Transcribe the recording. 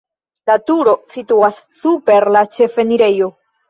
La turo situas super la ĉefenirejo.